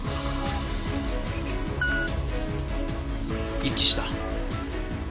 一致した。